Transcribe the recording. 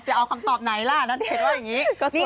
จะเอาคำตอบไหนล่ะณเดชน์ว่าอย่างนี้